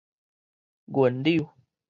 銀柳